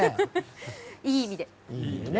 いい意味で。